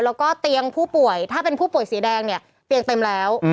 แล้วก็เตียงผู้ป่วยถ้าเป็นผู้ป่วยสีแดงเนี่ยเตียงเต็มแล้ว